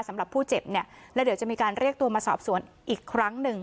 สำหรับผู้เจ็บเนี่ยแล้วเดี๋ยวจะมีการเรียกตัวมาสอบสวนอีกครั้งหนึ่ง